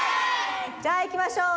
じゃあいきましょう。